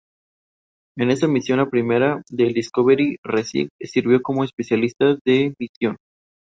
En esta misión, la primera del "Discovery", Resnik sirvió como especialista de misión.